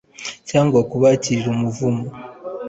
cyangwa kubakire umuvumo